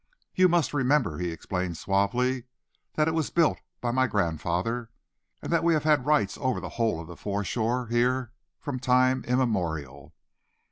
"You must remember," he explained suavely, "that it was built by my grandfather, and that we have had rights over the whole of the foreshore here from time immemorial.